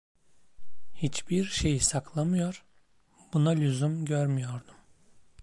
Hiçbir şeyi saklamıyor, buna lüzum görmüyordum.